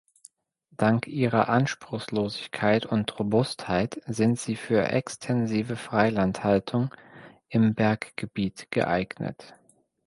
Dank ihrer Anspruchslosigkeit und Robustheit sind sie für extensive Freilandhaltung im Berggebiet geeignet.